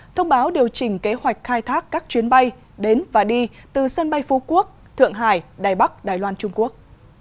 thông báo điều chỉnh kế hoạch khai thác các chuyến bay đến và đi từ sân bay phú quốc thượng hải đài bắc đài loan trung quốc